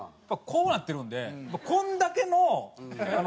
こうなってるんでこれだけの。ハハハハ！